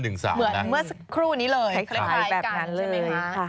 เหมือนเมื่อสักครู่นี้เลยคล้ายกันใช่ไหมคะ